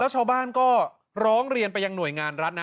ชาวบ้านก็ร้องเรียนไปยังหน่วยงานรัฐนะ